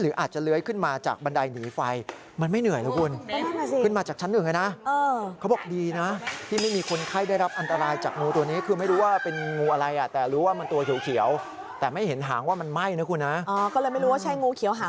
อาจจะเลื้อยขึ้นมาจากบันไดหนีไฟมันไม่เหนื่อยนะคุณ